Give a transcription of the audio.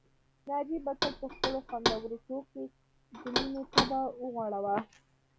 ناجيې به تل په خپلو خوندورو ټوکو د مينې طبع وغوړاوه